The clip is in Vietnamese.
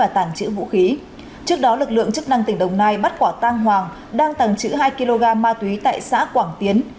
trước đó lực lượng chức năng tỉnh đồng nai bắt quả tang hoàng đang tàng trữ hai kg ma túy tại xã quảng tiến